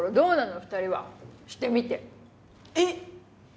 二人はシてみてえっ！